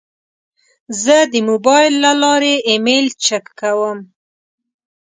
زه د موبایل له لارې ایمیل چک کوم.